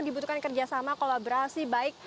dibutuhkan kerjasama kolaborasi baik